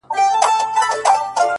خبرېږم زه راته ښېراوي كوې”